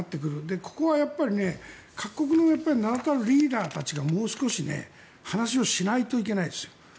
ここは各国の名立たるリーダーたちがもう少し話をしないといけないですよ。